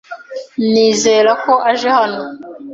Nizera ko aje hano.